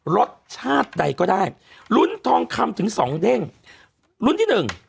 รสชาติใดก็ได้ลุ้นทองคำถึงสองเด้งลุ้นที่หนึ่ง